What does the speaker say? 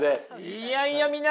いやいや皆さん